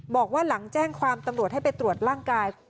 บอกว่าหลังแจ้งความตำรวจให้ไปตรวจร่างกาย